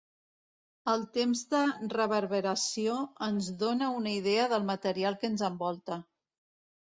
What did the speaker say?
El temps de reverberació ens dóna una idea del material que ens envolta.